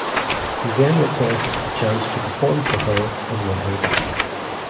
He then requests the chance to perform for her and win her back.